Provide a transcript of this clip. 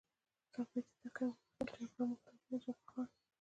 څوکۍ ته یې تکیه ووهل، جګړن موږ ته وویل: جبار خان.